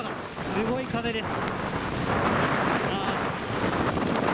すごい風です。